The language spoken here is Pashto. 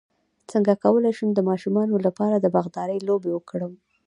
څنګه کولی شم د ماشومانو لپاره د باغدارۍ لوبې وکړم